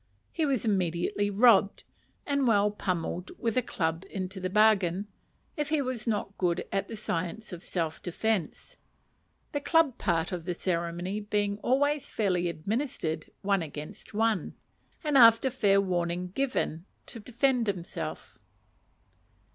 He was immediately robbed, and well pummelled with a club into the bargain, if he was not good at the science of self defence the club part of the ceremony being always fairly administered one against one, and after fair warning given to defend himself.